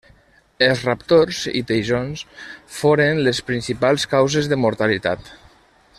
Els raptors i teixons foren les principals causes de mortalitat.